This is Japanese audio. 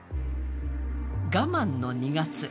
我慢の２月。